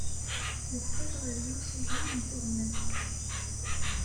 Yeqqel ɣer yimsujji n tuɣmas.